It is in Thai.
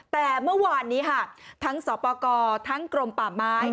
แต่เมื่อวานนี้ค่ะทั้งสอบประกอบทั้งกรมป่าม้าย